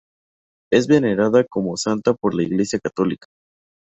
Es venerada como santa por la Iglesia Católica.